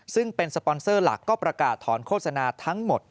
ซึ่งเป็นสปอนเซอร์หลักก็ประกาศถอนโฆษณาทั้งหมด